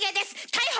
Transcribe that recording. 逮捕！